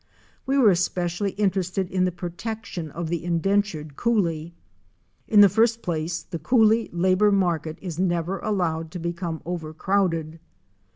We were especially interested in the protection of the indentured coolie. In the first place the coolie labor market is never allowed to become over crowded.